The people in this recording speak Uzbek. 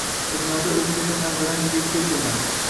dunyoda o‘zgacha manzarani yuzaga keltirgan